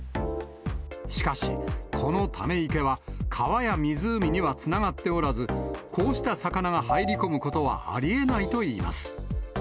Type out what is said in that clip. しかし、このため池は、川や湖にはつながっておらず、こうした魚が入り込むことはありえないといいます。